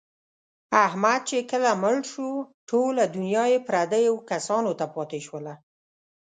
احمد چې کله مړ شو، ټوله دنیا یې پردیو کسانو ته پاتې شوله.